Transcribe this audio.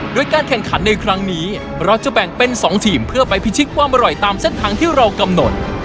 โดยการแข่งขันในครั้งนี้เราจะแบ่งเป็น๒ทีมเพื่อไปพิชิตความอร่อยตามเส้นทางที่เรากำหนด